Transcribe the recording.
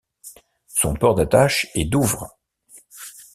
Son port d'attache est Douvres.